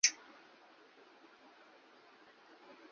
Irish